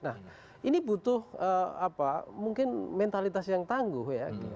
nah ini butuh apa mungkin mentalitas yang tangguh ya